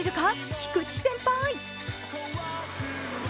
菊池先輩。